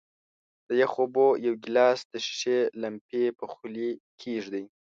د یخو اوبو یو ګیلاس د ښيښې لمپې په خولې کیږدئ.